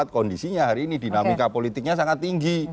kondisinya hari ini dinamika politiknya sangat tinggi